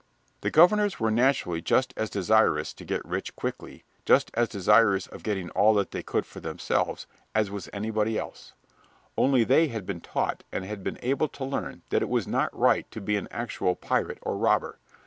The governors were naturally just as desirous to get rich quickly, just as desirous of getting all that they could for themselves, as was anybody else only they had been taught and had been able to learn that it was not right to be an actual pirate or robber.